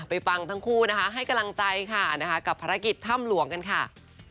ฟังทั้งคู่นะคะให้กำลังใจค่ะนะคะกับภารกิจถ้ำหลวงกันค่ะ